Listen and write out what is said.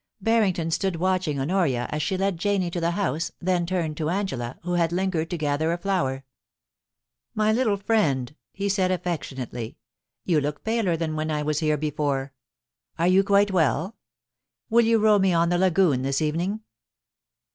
Barrington stood watching Honoria as she led Janie to the house, then turned to Angela, who had lingered to gather a flower. * My little friend,' he said affectionately, * you look paler than when I was here before. Are you quite well ? Will you row me on the lagoon this evening